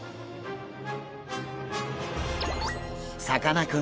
さかなクン